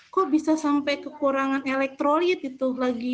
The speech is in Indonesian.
kok bisa sampai kekurangan elektrolit gitu